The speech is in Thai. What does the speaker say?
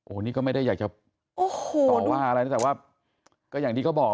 อันนี้ก็ไม่ได้อยากจะต่อว่าอะไรนะแต่ว่าก็อย่างที่เขาบอก